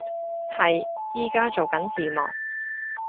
係，依家做返字幕